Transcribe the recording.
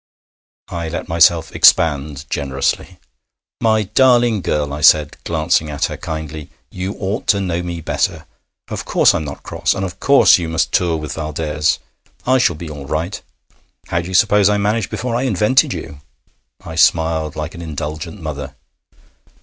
I let myself expand generously. 'My darling girl!' I said, glancing at her kindly. 'You ought to know me better. Of course I'm not cross. And of course you must tour with Valdès. I shall be all right. How do you suppose I managed before I invented you?' I smiled like an indulgent mother.